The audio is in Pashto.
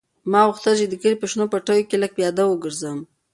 ما غوښتل چې د کلي په شنو پټیو کې لږ پیاده وګرځم.